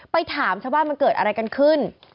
ถามชาวบ้านมันเกิดอะไรกันขึ้น